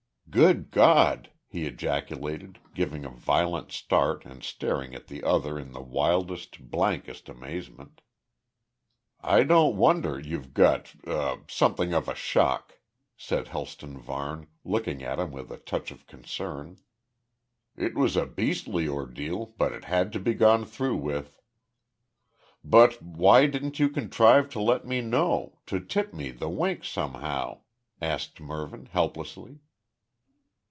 "Good God!" he ejaculated, giving a violent start and staring at the other in the wildest, blankest amazement. "I don't wonder you've got er something of a shock," said Helston Varne, looking at him with a touch of concern. "It was a beastly ordeal, but it had to be gone through with." "But why didn't you contrive to let me know to tip me the wink somehow?" asked Mervyn helplessly.